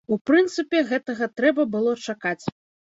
У прынцыпе, гэтага трэба было чакаць.